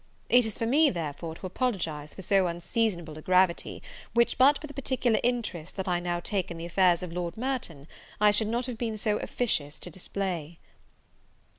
It is for me, therefore, to apologize for so unseasonable a gravity, which, but for the particular interest that I now take in the affairs of Lord Merton, I should not have been so officious to display."